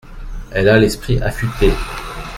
Elle a l’esprit affuté.